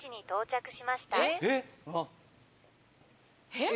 えっ？